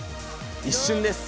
一瞬です。